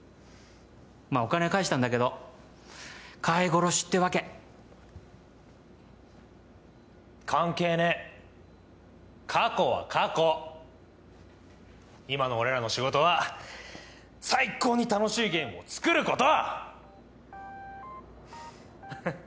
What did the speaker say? まあお金は返したんだけど飼い殺しってわけ関係ねえ過去は過去今の俺らの仕事は最高に楽しいゲームを作ること！